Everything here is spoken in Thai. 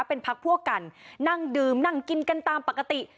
เป็นพักพวกกันนั่งดื่มนั่งกินกันตามปกติ